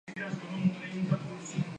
Muchas de las características eran similares.